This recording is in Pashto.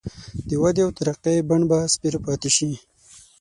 د ودې او ترقۍ بڼ به سپېره پاتي شي.